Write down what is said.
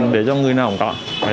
để cho người nào cũng có